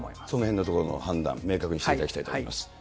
そのへんのところの判断、明確にしていただきたいと思います。